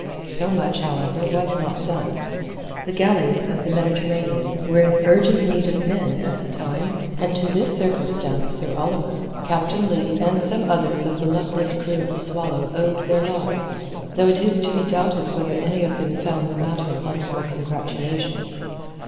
So much, however, was not done. The galleys in the Mediterranean were in urgent need of men at the time, and to this circumstance Sir Oliver, Captain Leigh, and some others of the luckless crew of the Swallow owed their lives, though it is to be doubted whether any of them found the matter one for congratulation.